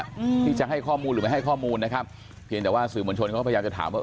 อืมที่จะให้ข้อมูลหรือไม่ให้ข้อมูลนะครับเพียงแต่ว่าสื่อมวลชนเขาก็พยายามจะถามว่า